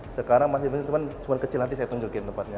sekarang masih cuma kecil nanti saya tunjukin tempatnya